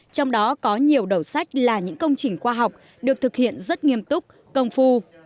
trong đó có nhiều đầu sách là những công trình khoa học được thực hiện rất nghiêm túc công phu